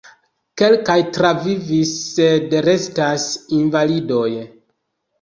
Kelkaj travivis sed restas invalidoj.